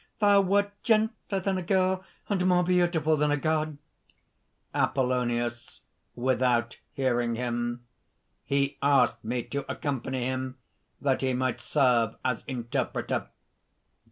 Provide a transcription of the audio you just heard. Thou wert gentler than a girl and more beautiful than a god!" APOLLONIUS (without hearing him). "He asked me to accompany him, that he might serve as interpreter."